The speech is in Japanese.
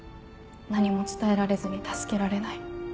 何も伝えられずに助けられない。